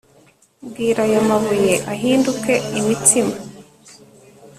bwira aya mabuye ahinduke imitsima